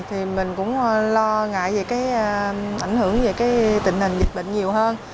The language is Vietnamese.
thì mình cũng lo ngại về cái ảnh hưởng về cái tình hình dịch bệnh nhiều hơn